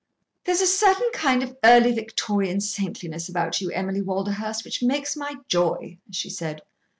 "There's a certain kind of early Victorian saintliness about you, Emily Walderhurst, which makes my joy," she said.